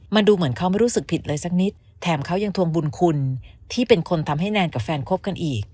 มันดูเหมือนเขาไม่รู้สึกผิดเลยสักนิดแถมเขายังทวงบุญคุณที่เป็นคนทำให้แนนกับแฟนคบกันอีก